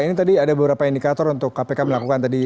ini tadi ada beberapa indikator untuk kpk melakukan tadi